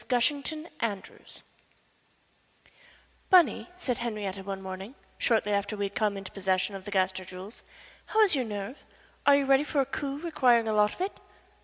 GUSHINGTON ANDREWS "Bunny," said Henrietta one morning, shortly after we had come into possession of the Gaster jewels, "how is your nerve? Are you ready for a coup requiring a lot of it?"